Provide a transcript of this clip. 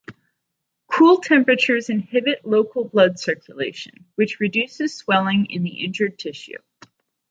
Cool temperatures inhibit local blood circulation, which reduces swelling in the injured tissue.